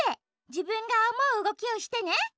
じぶんがおもううごきをしてね！